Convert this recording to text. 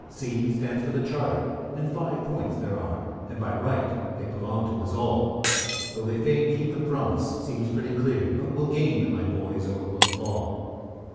=C= stands for the Charter, and five points there are, And by right they belong to us all; Tho' they'd fain keep them from us, seems pretty clear, But we'll gain them, my boys, or we'll fall!